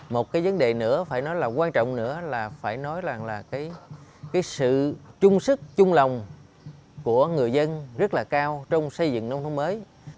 một cái vấn đề nữa phải nói là quan trọng nữa là phải nói rằng là cái sự chung sức chung lòng của người dân rất là cao trong xây dựng nông thôn mới